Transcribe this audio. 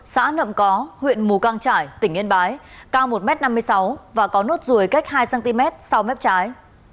xã nậm có huyện mù căng trải tỉnh yên bái cao một m năm mươi sáu và có nốt ruồi cách hai cm sau mép trái